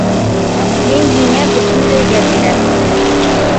Мин һиңә бөтөнләйгә бирәм.